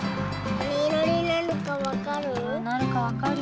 なにいろになるかわかる？